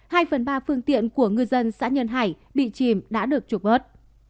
hai phần ba phương tiện của ngư dân xã nhân hải bị chìm đã được trục vớt